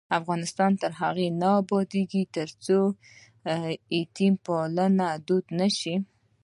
افغانستان تر هغو نه ابادیږي، ترڅو یتیم پالنه دود نشي.